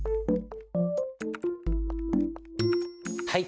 はい。